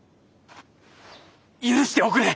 許しておくれ！